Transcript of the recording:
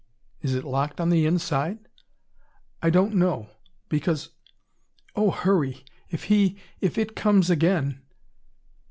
Is it locked on the inside?" "I don't know. Because oh, hurry! If he if it comes again